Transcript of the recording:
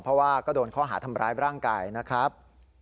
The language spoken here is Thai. เพราะว่าก็โดนข้อหาทำร้ายร่างกายนะครับ